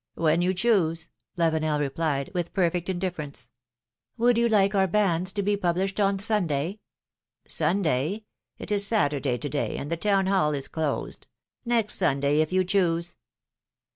When you choose," Lavenel replied, with perfect indifference. "Would you like our banns to be published on Sunday?" "Sunday? It is Saturday to day, and the Town Hall is closed ; next Sunday, if you choose."